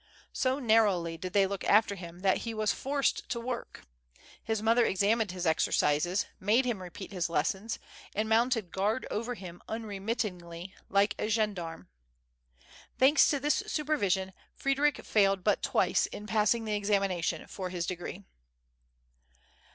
So nar rowly did they look after him, that he was forced 1o work; his mother examined his exercises, made him repeat his lessons, and mounted guard over him unremit tingly like a gendarme. Thanks to tliis supervision, Frdddric failed but twice in passing the examination for his degree.